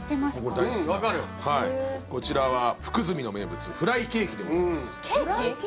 うんわかるこちらは福住の名物フライケーキでございますケーキ？